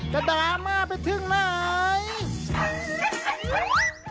ดราม่าไปถึงไหน